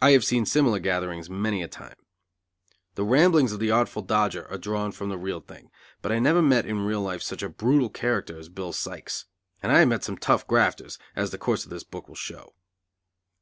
I have seen similar gatherings many a time. The ramblings of the Artful Dodger are drawn from the real thing, but I never met in real life such a brutal character as Bill Sykes; and I have met some tough grafters, as the course of this book will show.